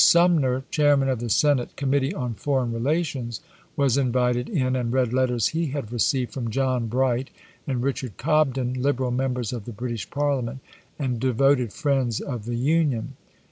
Sumner, chairman of the Senate Committee on Foreign Relations, was invited in, and read letters he had received from John Bright and Richard Cobden, Liberal members of the British Parliament and devoted friends of the Union.